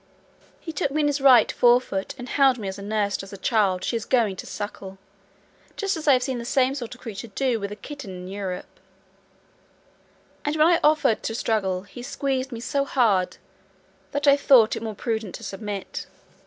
He took me up in his right fore foot and held me as a nurse does a child she is going to suckle, just as I have seen the same sort of creature do with a kitten in Europe; and when I offered to struggle he squeezed me so hard, that I thought it more prudent to submit.